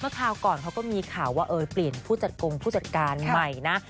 คราวก่อนเขาก็มีข่าวว่าเปลี่ยนผู้จัดกงผู้จัดการใหม่นะ